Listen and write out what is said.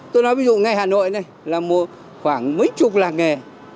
tôi nói ví dụ ngay hà nội này là một khoảng mấy chục làng nghề